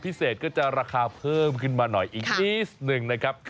พิเศษก็จะราคาเพิ่มขึ้นมาหน่อยอีกนิดนึงนะครับ